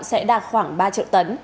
sẽ đạt khoảng ba triệu tấn